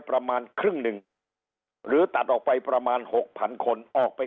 ประมาณครึ่งหนึ่งหรือตัดออกไปประมาณหกพันคนออกไป